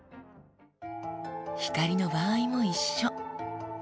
光の場合も一緒。